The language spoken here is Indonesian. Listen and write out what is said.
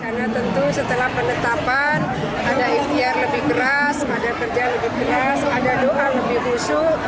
karena tentu setelah penetapan ada ikhiyar lebih keras ada kerja lebih keras ada doa lebih busuk